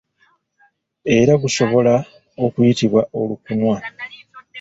Era gusobola okuyitibwa olukuunwa.